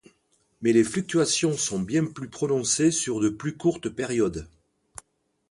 Mais les fluctuations sont bien plus prononcées sur de plus courtes périodes.